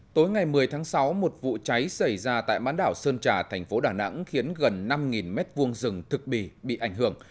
tối ngày một mươi tháng sáu một vụ cháy xảy ra tại bán đảo sơn trà thành phố đà nẵng khiến gần năm m hai rừng thực bì bị ảnh hưởng